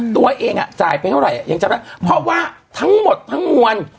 ตัวเองอ่ะจ่ายไปเท่าไหร่ยังจำได้เพราะว่าทั้งหมดทั้งมวล